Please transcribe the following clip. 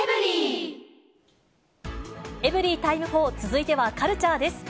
エブリィタイム４、続いてはカルチャーです。